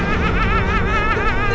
ambil sendiri aja